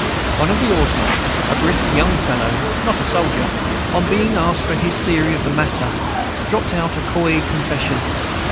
One of the oarsmen, a brisk young fellow, not a soldier, on being asked for his theory of the matter, dropped out a coy confession.